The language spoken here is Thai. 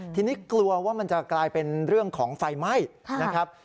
ทีนี้กลัวว่ามันจะกลายเป็นเรื่องของไฟไหม้นะครับ